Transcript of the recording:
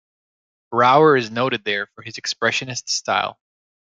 Brauer is noted there for his expressionist style.